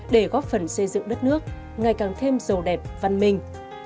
để góp phần xây dựng đất nước ngày càng thêm giàu đẹp văn minh